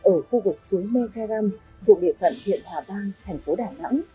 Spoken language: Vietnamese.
ở khu vực suối mê khe râm vụ địa phận hiện hòa vang thành phố đà nẵng